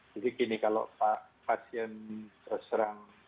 jadi gini kalau pasien terserang